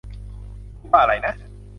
พูดว่าอะไรนะ ?